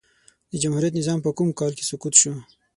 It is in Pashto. د جمهوريت نظام په کوم کال کی سقوط سو؟